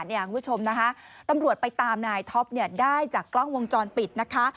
คุณผู้ชมนะคะตำรวจไปตามนายท็อปได้จากกล้องวงจรปิดนะคะ